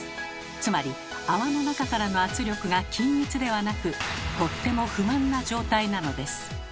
つまり泡の中からの圧力が均一ではなくとっても不満な状態なのです。